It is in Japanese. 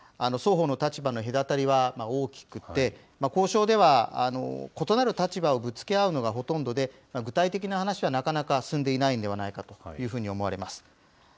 双方の立場の隔たりは、大きくて、交渉では、異なる立場をぶつけ合うのがほとんどで、具体的な話は、なかなか進んでいないのではないかと思われます。